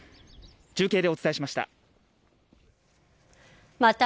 中継でお伝えしました。